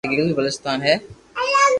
ايڪ گلگيت بلچستان ھي